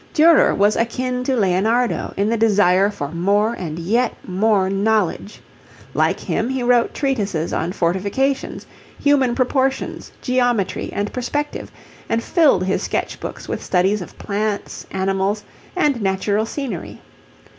Durer was akin to Leonardo in the desire for more and yet more knowledge. Like him he wrote treatises on fortifications, human proportions, geometry, and perspective, and filled his sketchbooks with studies of plants, animals, and natural scenery.